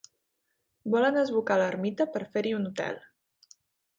Volen esbucar l'ermita per fer-hi un hotel.